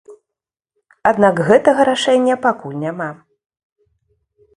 Аднак гэтага рашэння пакуль няма.